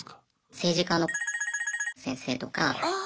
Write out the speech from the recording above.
政治家の先生とか。